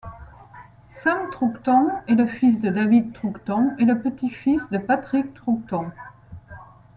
Sam Troughton est le fils de David Troughton et le petit-fils de Patrick Troughton.